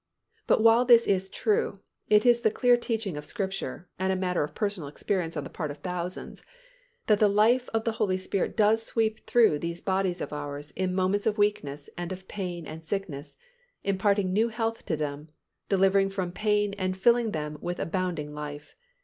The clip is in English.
But while this is true, it is the clear teaching of Scripture and a matter of personal experience on the part of thousands that the life of the Holy Spirit does sweep through these bodies of ours in moments of weakness and of pain and sickness, imparting new health to them, delivering from pain and filling them with abounding life.